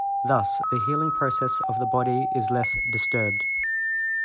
Thus, the healing process of the body is less disturbed.